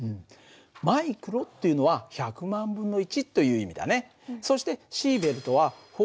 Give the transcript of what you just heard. マイクロというのは１００万分の１という意味だね。